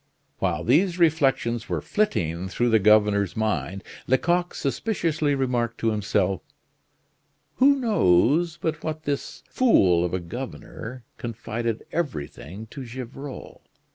While these reflections were flitting through the governor's mind, Lecoq suspiciously remarked to himself: "Who knows but what this fool of a governor confided everything to Gevrol?